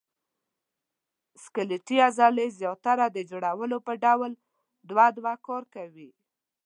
سکلیټي عضلې زیاتره د جوړو په ډول دوه دوه کار کوي.